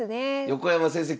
横山先生